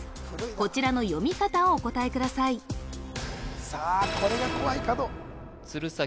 こちらの読み方をお答えくださいさあこれが怖い角鶴崎